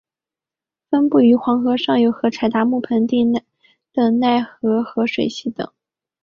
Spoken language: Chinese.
分布于黄河上游和柴达木盆地的奈齐河水系等。